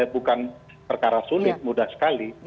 bukan perkara sulit mudah sekali